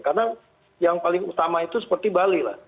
karena yang paling utama itu seperti bali